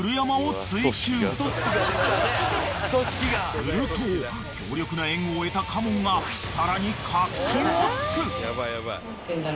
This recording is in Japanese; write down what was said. ［すると強力な援護を得た嘉門がさらに核心を突く］